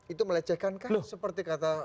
itu melecehkan kan seperti kata